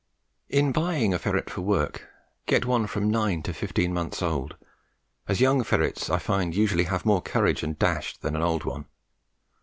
In buying a ferret for work, get one from nine to fifteen months old, as young ferrets I find usually have more courage and dash than an old one.